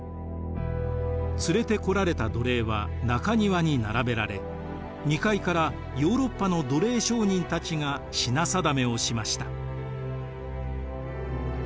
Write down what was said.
連れてこられた奴隷は中庭に並べられ２階からヨーロッパの奴隷商人たちが品定めをしました。